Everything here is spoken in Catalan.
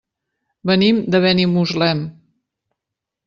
Venim de Benimuslem.